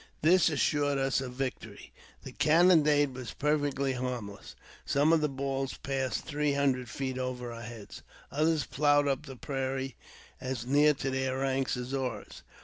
This assured us of victory. The cannonade was perfectly harmless ; some of the balls passed three hundred feet over our JAMES P. BECRWOUBTH. 389 heads ; others ploughed up the prairie as near to their ranks as ours.